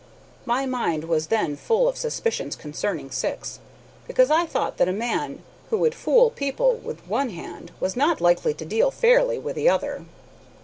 My mind was then full of suspicions concerning Syx, because I thought that a man who would fool people with one hand was not likely to deal fairly with the other.